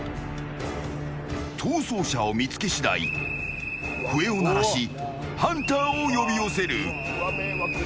逃走者を見つけ次第、笛を鳴らしハンターを呼び寄せる。